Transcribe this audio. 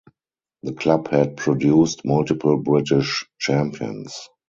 The club had produced multiple British champions.